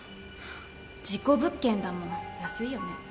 はぁ事故物件だもん安いよね。